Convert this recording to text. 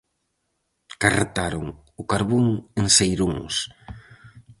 Carretaron o carbón en seiróns.